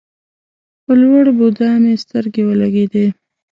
په لوړ بودا مې سترګې ولګېدې.